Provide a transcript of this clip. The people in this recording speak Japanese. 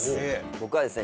僕はですね